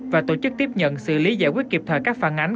và tổ chức tiếp nhận xử lý giải quyết kịp thời các phản ánh